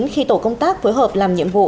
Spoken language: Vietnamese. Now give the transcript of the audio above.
khi tổ công tác phối hợp làm nhiệm vụ